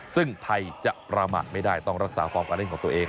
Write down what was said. ซึ่งไทยจะประมาทไม่ได้ต้องรักษาฟอร์มการเล่นของตัวเอง